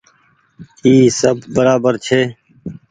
اي سب برابر ڇي۔